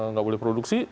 nggak boleh produksi